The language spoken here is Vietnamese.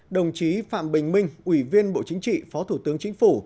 đồng chí phạm bình minh ủy viên bộ chính trị phó thủ tướng chính phủ